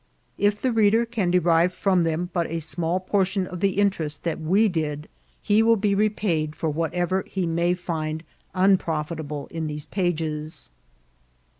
If the reader can derive from them but a small portion of the interest that we did, he will be repaid for whatever he may find unprof itable in these pages.